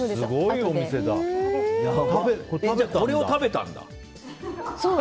じゃあ、これを食べたんだ。